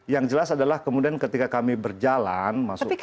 yang jelas adalah kemudian ketika kami berjalan masuk